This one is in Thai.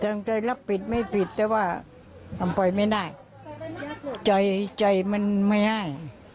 ตั้งใจรับผิดไม่ผิดแต่ว่าทำปล่อยไม่ได้ใจมันไม่ให้